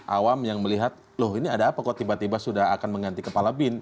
awam yang melihat loh ini ada apa kok tiba tiba sudah akan mengganti kepala bin